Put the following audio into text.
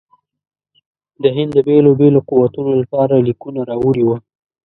د هند د بېلو بېلو قوتونو لپاره لیکونه راوړي وه.